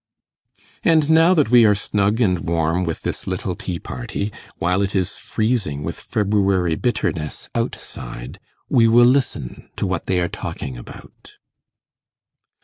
And now that we are snug and warm with this little tea party, while it is freezing with February bitterness outside, we will listen to what they are talking about.